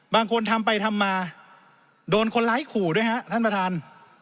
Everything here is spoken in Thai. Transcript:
บางคนทำไปทำมาโดนคนร้ายขู่ด้วยฮะท่านประธาน